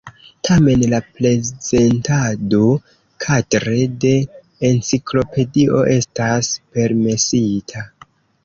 Tamen la prezentado kadre de enciklopedio estas permesita.